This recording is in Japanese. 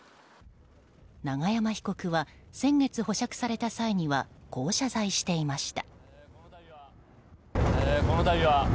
永山被告は先月保釈された際にはこう謝罪していました。